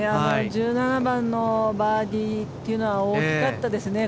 １７番のバーディーっていうのは大きかったです。